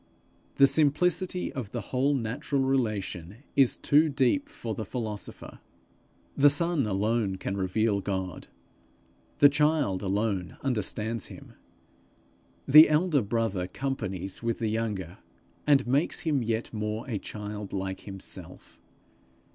The simplicity of the whole natural relation is too deep for the philosopher. The Son alone can reveal God; the child alone understand him. The elder brother companies with the younger, and makes him yet more a child like himself.